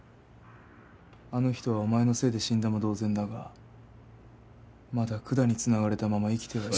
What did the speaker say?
あの人はお前のせいで死んだも同然だがまだ管に繋がれたまま生きてはいる。